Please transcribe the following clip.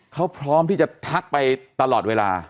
เขาพร้อมที่จะทักไปตลอดเวลา